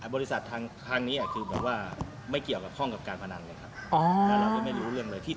บริษัททางนี้คือแบบว่าไม่เกี่ยวกับห้องกับการพนันเลยครับที่